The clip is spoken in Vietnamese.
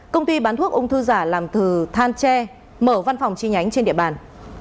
công ty bán thuốc ung thư giả làm từ than che mở văn phòng chi nhánh trên địa bàn